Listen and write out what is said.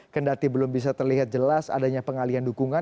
kendati belum bisa terlihat jelas adanya pengalian dukungan